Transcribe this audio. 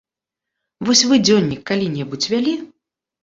Вось вы дзённік калі-небудзь вялі?